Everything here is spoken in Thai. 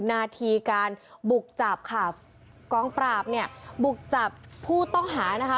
นาทีการบุกจับค่ะกองปราบเนี่ยบุกจับผู้ต้องหานะคะ